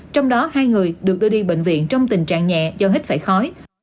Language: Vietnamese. trong đó hai người được đưa đi bệnh viện trong tình trạng nhẹ do hít phải khói